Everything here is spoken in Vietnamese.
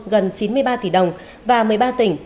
gần chín mươi ba tỷ đồng và một mươi ba tỉnh